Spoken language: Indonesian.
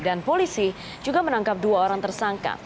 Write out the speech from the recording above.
polisi juga menangkap dua orang tersangka